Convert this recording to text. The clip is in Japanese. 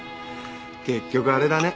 結局あれだね。